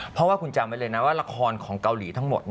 เพราะว่าคุณจำไว้เลยนะว่าละครของเกาหลีทั้งหมด